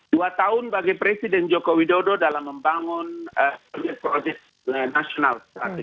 dua tahun bagi presiden joko widodo dalam membangun proyek proyek nasional